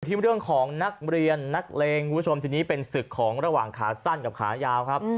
ที่เรื่องของนักเรียนนักเลงคุณผู้ชมทีนี้เป็นศึกของระหว่างขาสั้นกับขายาวครับ